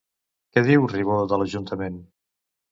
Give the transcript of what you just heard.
Què diu Ribó de l'Ajuntament?